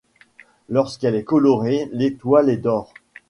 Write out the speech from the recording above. Lorsqu’elle est colorée, l’étoile est d’or.